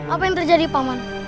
apa yang terjadi pak man